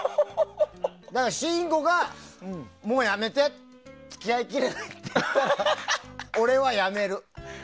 だから、信五がもうやめて付き合いきれないって言ったら俺は、やめる。